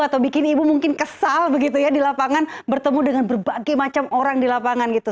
atau bikin ibu mungkin kesal begitu ya di lapangan bertemu dengan berbagai macam orang di lapangan gitu